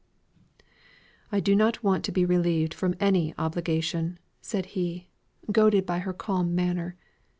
"I do not want to be relieved from any obligation," said he, goaded by her calm manner.